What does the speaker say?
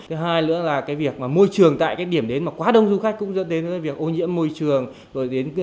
thứ hai nữa là cái việc môi trường tại cái điểm đến mà quá đông du khách cũng dẫn đến việc ô nhiễm môi trường